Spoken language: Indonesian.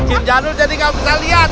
jin gadul jadi gak bisa lihat